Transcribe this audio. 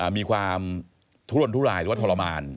มีความทุรนทุรายหรือว่าทรมาน